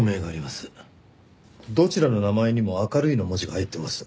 どちらの名前にも「明るい」の文字が入っています。